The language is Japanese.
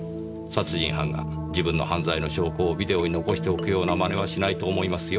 殺人犯が自分の犯罪の証拠をビデオに残しておくような真似はしないと思いますよ。